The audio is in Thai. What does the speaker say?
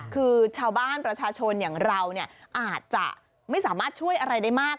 คือชาวบ้านประชาชนอย่างเราอาจจะไม่สามารถช่วยอะไรได้มาก